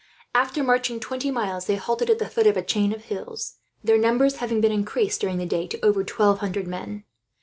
After marching twenty miles, they halted at the foot of a chain of hills, their numbers having been increased during the day to over twelve hundred men.